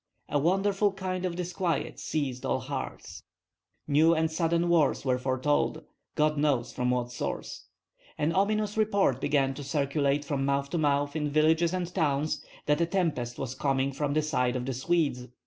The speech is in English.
A wonderful kind of disquiet seized all hearts. New and sudden wars were foretold, God knows from what source. An ominous report began to circulate from mouth to mouth in villages and towns that a tempest was coming from the side of the Swedes.